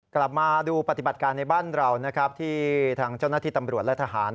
กลับมาดูปฏิบัติการในบ้านเรานะครับที่ทางเจ้าหน้าที่ตำรวจและทหาร